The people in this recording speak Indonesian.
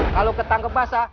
kalau ketangkep masa